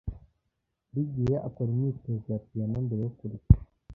Buri gihe akora imyitozo ya piyano mbere yo kurya.